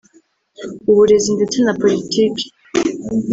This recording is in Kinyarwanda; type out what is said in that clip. uburezi ndetse na politiki